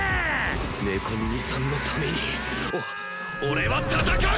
猫耳さんのためにお俺は戦う！